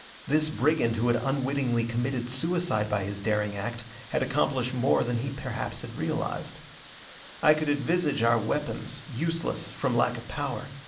This brigand who had unwittingly committed suicide by his daring act had accomplished more than he perhaps had realized. I could envisage our weapons, useless from lack of power.